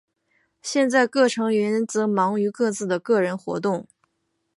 现在各成员则忙于各自的个人活动。